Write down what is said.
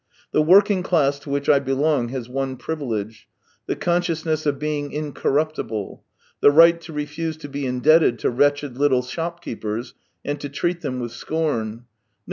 The working class to which I belong has one privilege: the consciousness of being incorruptible — the right to refuse to be indebted to wretched little shop keepers, and to treat them with scorn. No.